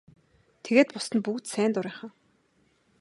Тэгээд бусад нь бүгд сайн дурынхан.